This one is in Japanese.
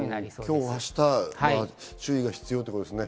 今日、明日、注意が必要ということですね。